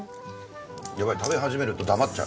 やばい食べ始めると黙っちゃう。